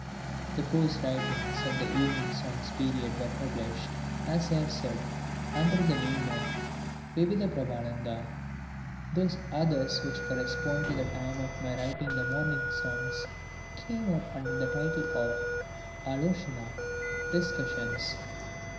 The prose writings of the Evening Songs period were published, as I have said, under the name of Vividha Prabandha. Those others which correspond to the time of my writing the Morning Songs came out under the title of Alochana, Discussions.